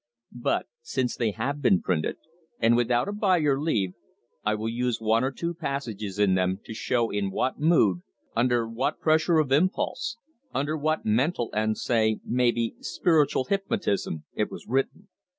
But since they have been printed, and without a "by your leave," I will use one or two passages in them to show in what mood, under what pressure of impulse, under what mental and, maybe, spiritual hypnotism it was written.